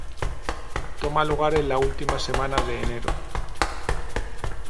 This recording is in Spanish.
Toma lugar en la última semana de enero.